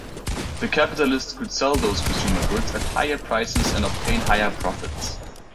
The capitalists could sell those consumer goods at higher prices and obtain higher profits.